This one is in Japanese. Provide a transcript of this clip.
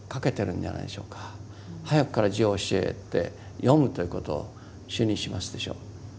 早くから字を教えて読むということを主にしますでしょう。